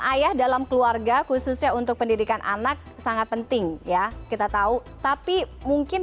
ayah dalam keluarga khususnya untuk pendidikan anak sangat penting ya kita tahu tapi mungkin